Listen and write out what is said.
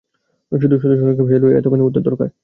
শুধু সনিক নামের সজারুরই এতখানি উদ্ধার দরকার।